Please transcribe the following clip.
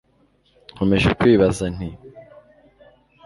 Nkomeje kwibaza nti